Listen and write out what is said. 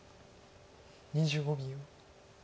２５秒。